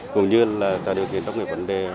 cũng như là tạo điều kiện đốc nghệ vấn đề